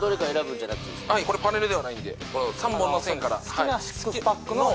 はいこれパネルではないんでこの３本の線から。